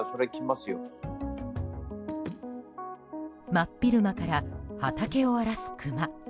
真っ昼間から畑を荒らすクマ。